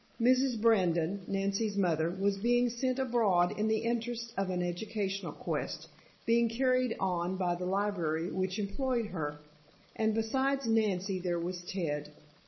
Mrs. Brandon, Nancy's mother, was being sent abroad in the interest of an educational quest, being carried on by the library which employed her; and besides Nancy there was Ted.